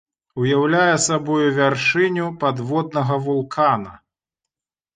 Уяўляе сабою вяршыню падводнага вулкана.